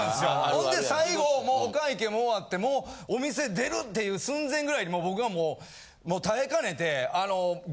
ほんで最後もうお会計も終わってもうお店出るっていう寸前ぐらいに僕がもうもう耐えかねて。って聞いたら。